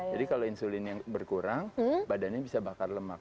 jadi kalau insulinnya berkurang badannya bisa bakar lemak